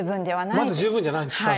まだ十分じゃないんですか